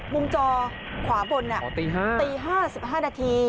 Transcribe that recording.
มุมจอขวาบนอ่ะอ๋อตีห้าตีห้าสิบห้านาที